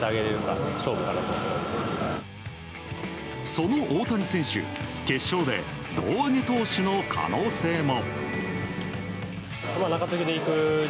その大谷選手決勝で胴上げ投手の可能性も。